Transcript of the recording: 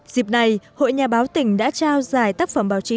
dịp này hội nhà báo tỉnh đã trao giải tác phẩm báo chí